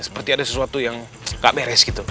seperti ada sesuatu yang gak beres gitu